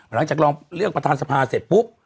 หลังจากลองเลือกประธานสภาเสร็จปุ๊บ